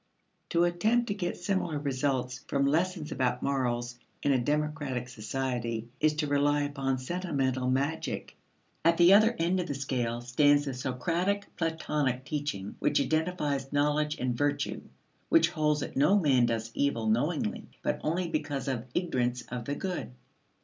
To attempt to get similar results from lessons about morals in a democratic society is to rely upon sentimental magic. At the other end of the scale stands the Socratic Platonic teaching which identifies knowledge and virtue which holds that no man does evil knowingly but only because of ignorance of the good.